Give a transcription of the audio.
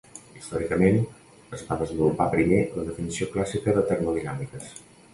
Històricament, es va desenvolupar primer la definició clàssica de termodinàmiques.